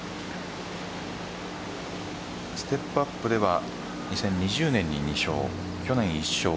ステップアップでは２０２０年に２勝去年１勝。